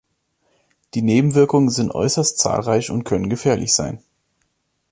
Die Nebenwirkungen sind äußerst zahlreich und können gefährlich sein.